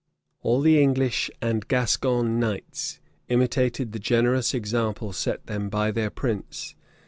[*] All the English and Gascon knights imitated the generous example set them by their prince.